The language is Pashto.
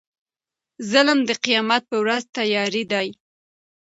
ظلم د قيامت په ورځ تيارې دي